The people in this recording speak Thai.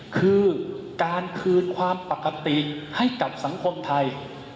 คือการคืนความปกติให้กับสังคมไทย